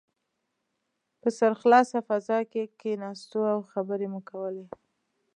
په سرخلاصه فضا کې کښېناستو او خبرې مو کولې.